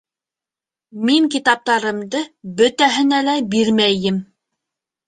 Мин китаптарымды бөтәһенә лә бирмәйем